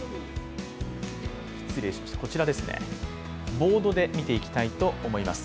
ボードで見ていきたいと思います。